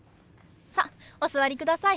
さあお座りください。